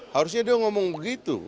harusnya dia ngomong begitu